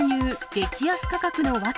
激安価格の訳。